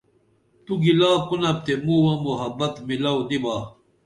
تو گِلا کُنپ تے مُووہ محبت میلاو نِبا